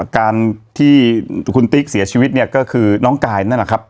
การที่คุณติ๊กเสียชีวิตเนี่ยก็คือน้องกายนั่นแหละครับ